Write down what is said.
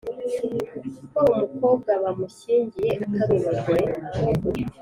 ko umukobwa bamushyingiye atari umugore